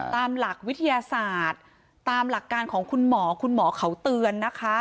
ตามหลักวิทยาศาสตร์ตามหลักการของคุณหมอคุณหมอเขาเตือนนะคะ